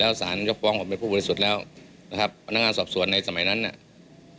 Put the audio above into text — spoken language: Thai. แล้วสารยกฟ้องผมเป็นผู้บริสุทธิ์แล้วนะครับพนักงานสอบสวนในสมัยนั้นเนี่ย